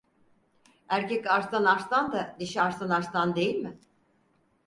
Erkek arslan arslan da dişi arslan arslan değil mi?